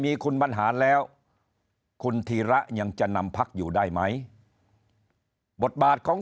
มีคุณบรรหารแล้วคุณธีระยังจะนำพักอยู่ได้ไหมบทบาทของ